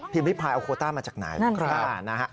พิพายเอาโคต้ามาจากไหน